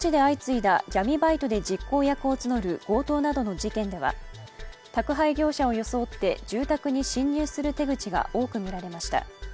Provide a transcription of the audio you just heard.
各地で相次いだ闇バイトで実行役を募る強盗などの事件では宅配業者を装って住宅に侵入する手口が多く見られました。